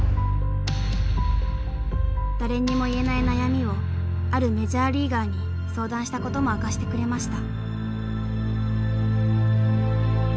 誰にも言えない悩みをあるメジャーリーガーに相談したことも明かしてくれました。